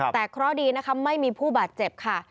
แต่เคราะห์ดีนะคะไม่มีผู้บาดเจ็บค่ะ